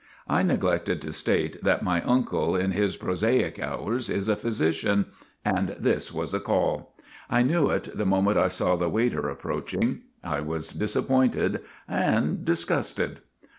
I neglected to state that my uncle, in his prosaic hours, is a physician; and this was a call. I knew it the moment I saw the waiter approaching. I was disappointed and disgusted.